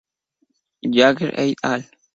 Jaeger Et al.